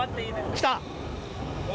来た！